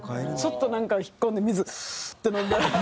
ちょっとなんか引っ込んで水スーッて飲んだり。